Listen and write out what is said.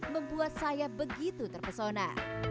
membuat saya begitu terpesona